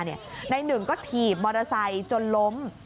นายหนึ่งก็ถีบมอเตอร์ไซค์จนล้ม